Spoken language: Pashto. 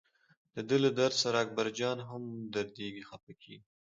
دده له درد سره اکبرجان هم دردېږي خپه کېږي.